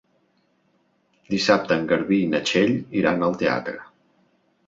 Dissabte en Garbí i na Txell iran al teatre.